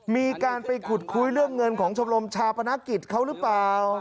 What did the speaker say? มีการไปขุดคุยเรื่องเงินของชมรมชาปนกิจเขาหรือเปล่า